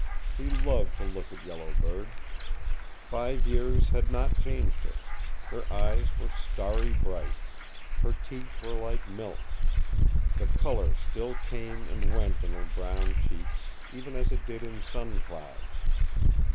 He loved to look at Yellow Bird. Five years had not changed her. Her eyes were starry bright. Her teeth were like milk. The color still came and went in her brown cheeks, even as it did in Sun Cloud's.